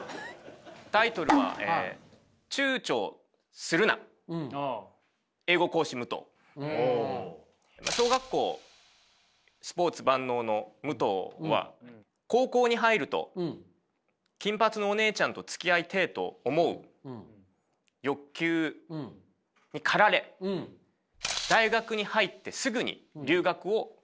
タイトルは小学校スポーツ万能の武藤は高校に入ると金髪のおねえちゃんとつきあいてえと思う欲求にかられ大学に入ってすぐに留学を決意します。